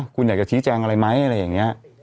คุณอยากจะชี้แจงอะไรไหมอะไรอย่างนี้